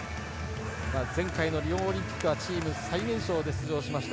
前回のリオオリンピックはチーム最年少で出場しました。